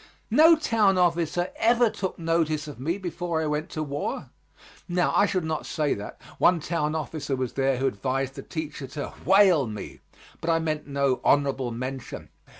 No town officer ever took notice of me before I went to war. Now, I should not say that. One town officer was there who advised the teacher to "whale" me, but I mean no "honorable mention."